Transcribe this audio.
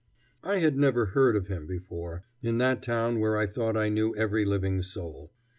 I had never heard of him before, in that town where I thought I knew every living soul.